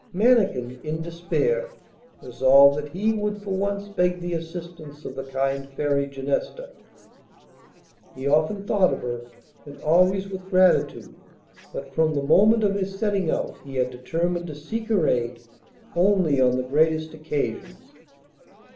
Mannikin, in despair, resolved that he would for once beg the assistance of the kind Fairy Genesta. He often thought of her and always with gratitude, but from the moment of his setting out he had determined to seek her aid only on the greatest occasions.